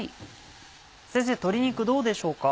先生鶏肉どうでしょうか？